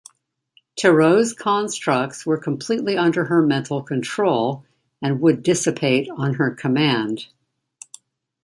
Tarot's constructs were completely under her mental control, and would dissipate on her command.